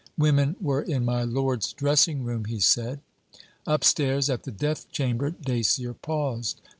Women were in my lord's dressing room, he said. Upstairs, at the death chamber, Dacier paused.